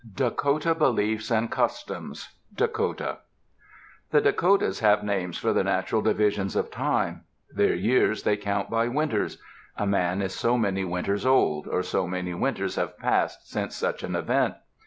DAKOTA BELIEFS AND CUSTOMS Dakota The Dakotas have names for the natural divisions of time. Their years they count by winters. A man is so many winters old, or so many winters have passed since such an event.